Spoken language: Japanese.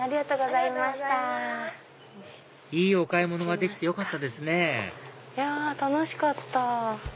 いいお買い物ができてよかったですねいや楽しかった。